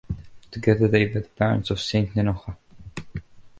Together they were the parents of Saint Nennocha.